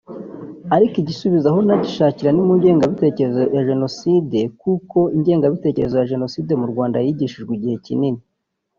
ariko igisubizo aho nagishakira ni mu ngengabitekerezo ya Jenoside kuko ingengabitekerezo ya Jenoside mu Rwanda yigishijwe igihe kinini